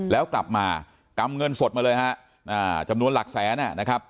แล้วกลับมากำเงินสดมาเลยฮะจำนวนหลักแสนนะครับ